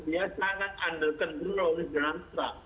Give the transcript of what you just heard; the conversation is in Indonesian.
kelihatan sekali dia sangat under control oleh donald trump